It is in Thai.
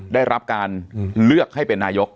ได้รับการเลือกให้เป็นนายก